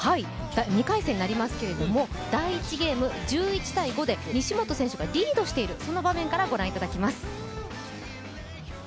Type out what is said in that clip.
２回戦になりますけれども第１ゲーム１１−５で西本選手がリードしているその場面から、ご覧いただきます。